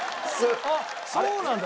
あっそうなんだ。